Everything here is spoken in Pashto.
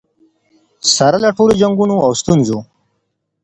سره له ټولو جنګونو او ستونزو.